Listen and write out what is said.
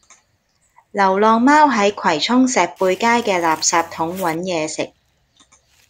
流浪貓喺葵涌石貝街嘅垃圾桶搵野食